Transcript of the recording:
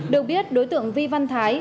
được biết đối tượng vi văn thái